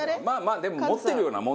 まあまあでも。